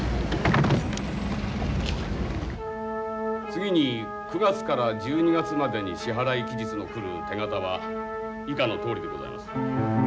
次に９月から１２月までに支払い期日の来る手形は以下のとおりでございます。